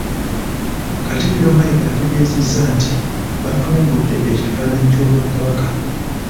Katikkiro Mayiga ategeezezza nti batumbudde ekifaananyi ky'Obwakabaka